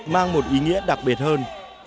hai nghìn hai mươi mang một ý nghĩa đặc biệt hơn